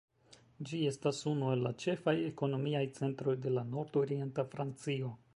Ĝi estas unu el la ĉefaj ekonomiaj centroj de la nordorienta Francio.